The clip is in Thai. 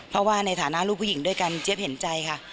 เพราะว่าในฐานะลูกผู้หญิงด้วยกันเจี๊ยบเห็นใจค่ะ